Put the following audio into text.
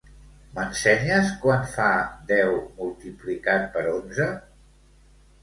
M'ensenyes quant fa deu multiplicat per onze?